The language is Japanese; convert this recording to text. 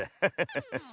ハハハハ。